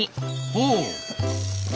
ほう！